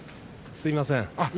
すみません。